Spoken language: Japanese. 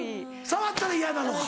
触ったら嫌なのか？